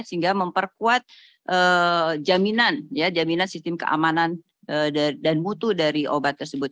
sehingga memperkuat jaminan sistem keamanan dan mutu dari obat tersebut